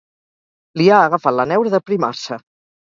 Li ha agafat la neura d'aprimar-se.